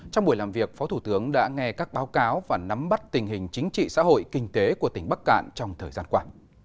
trong buổi làm việc phó thủ tướng đã nghe các báo cáo và nắm bắt tình hình chính trị xã hội kinh tế của tỉnh bắc cạn trong thời gian qua